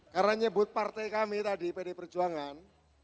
karena nyebut partai kami tadi pdi perjuangan